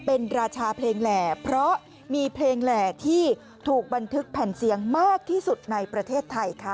เป็นราชาเพลงแหล่เพราะมีเพลงแหล่ที่ถูกบันทึกแผ่นเสียงมากที่สุดในประเทศไทยค่ะ